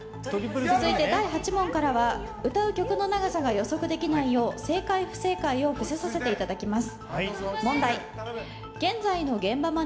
続いて第８問からは歌う曲の長さが予測できないよう正解・不正解をふせさせていただきます。